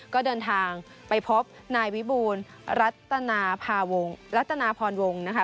ก็เดินทางไปพบนายวิบูลรัตนาพรวงนะคะ